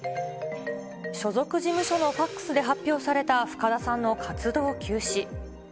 所属事務所のファックスで発表された深田さんの活動休止。